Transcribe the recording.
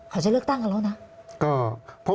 เขาจะเลือกตั้งกันแล้วนะ